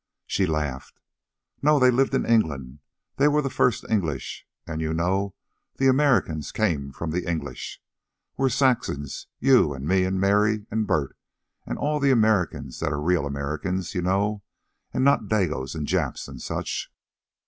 She laughed. "No. They lived in England. They were the first English, and you know the Americans came from the English. We're Saxons, you an' me, an' Mary, an' Bert, and all the Americans that are real Americans, you know, and not Dagoes and Japs and such."